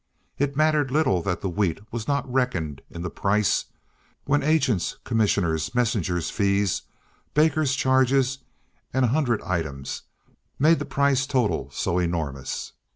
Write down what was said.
It mattered little that the wheat was not reckoned in the price, when agents', commissioners', messengers' fees, bakers' charges, and a hundred items, made the price total so enormous.